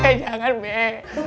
bek jangan bek